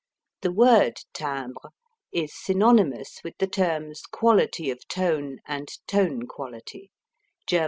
The word timbre is synonymous with the terms quality of tone, and tone quality (Ger.